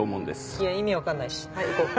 いや意味分かんないしはい行こう。